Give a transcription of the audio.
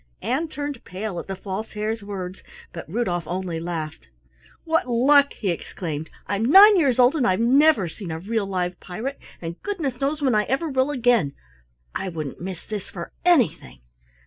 Ann turned pale at the False Hare's words, but Rudolf only laughed. "What luck!" he exclaimed. "I'm nine years old and I've never seen a real live pirate, and goodness knows when I ever will again I wouldn't miss this for anything."